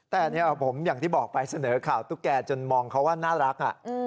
แต่ผมอย่างที่บอกไปเสนอข่าวตุ๊กแกจนมองเขาว่าน่ารัก